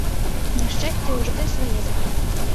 На шчасце, у жыцця свае законы.